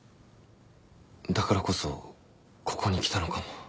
だからこそここに来たのかも。